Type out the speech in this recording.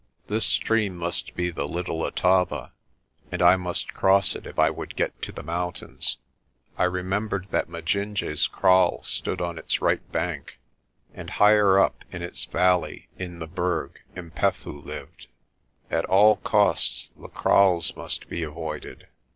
This stream must be the Little Letaba and I must cross it if I would get to the mountains. I remembered that Majinje's kraal stood on its right bank, and higher up in its valley in the Berg 'Mpefu lived. At all costs the kraals must be avoided.